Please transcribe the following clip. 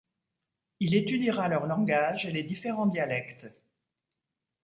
Il étudiera leur langage et les différents dialectes.